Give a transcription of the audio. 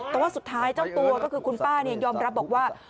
แต่ว่าสุดท้ายเจ้าตัวก็คือคุณป้ายอมรับบอกว่า